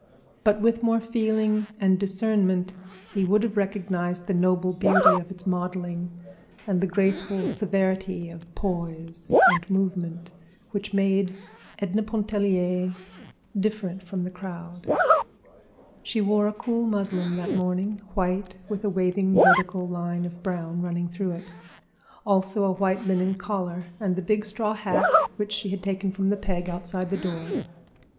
But with more feeling and discernment he would have recognized the noble beauty of its modeling, and the graceful severity of poise and movement, which made Edna Pontellier different from the crowd. She wore a cool muslin that morning—white, with a waving vertical line of brown running through it; also a white linen collar and the big straw hat which she had taken from the peg outside the door.